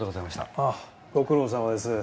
あぁご苦労さまです。